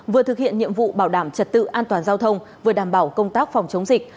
vừa thực hiện nhiệm vụ bảo đảm trật tự an toàn giao thông vừa đảm bảo công tác phòng chống dịch